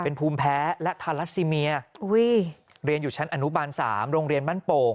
เป็นภูมิแพ้และทารัสซีเมียเรียนอยู่ชั้นอนุบาล๓โรงเรียนบ้านโป่ง